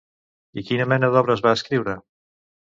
I quina mena d'obres va escriure?